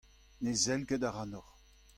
Ne sell ket ac'hanoc'h.